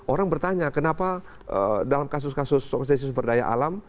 orang bertanya kenapa dalam kasus kasus konsesi sumber daya alam